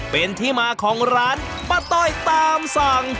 เป็นที่มาของร้านป้าต้อยตามสั่ง